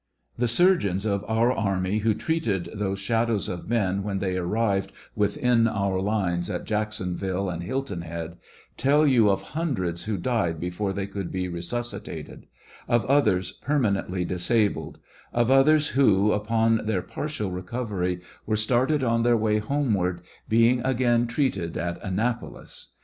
The surgeons of our army who treated those shadows of men when they arrived within our lines at Jack sonville and Hiltoij Head tell you of hundreds who died before they could be resuscitated ; of others permanently disabled ; of others who, upon their partial recovery, were started on their way homeward, being again treated at Annapolis.